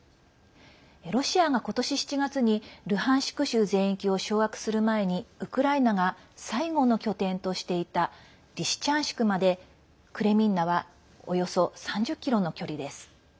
ロシアが今年７月にルハンシク州全域を掌握する前にウクライナが最後の拠点としていたリシチャンシクまでクレミンナはおよそ３０ｋｍの距離です。